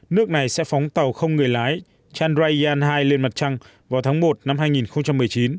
nước này sẽ phóng tàu không người lái chandrayaan hai lên mặt trăng vào tháng một năm hai nghìn một mươi chín